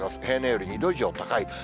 平年より２度以上高い。